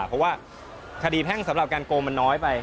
เพราะว่าคดีแพ่งสำหรับการโกงมันน้อยไป